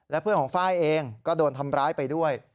เพื่อนของไฟล์เองก็โดนทำร้ายไปด้วย